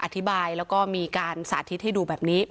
อธิบายและสาธิตให้ดูแบบนี้